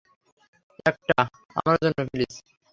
একটা আমার জন্য, প্লিজ।